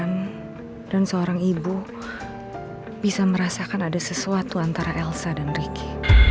seorang ibu bisa merasakan ada sesuatu antara elsa dan ricky